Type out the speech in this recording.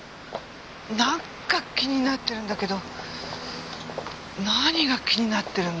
なんか気になってるんだけど何が気になってるんだかわからないのよ。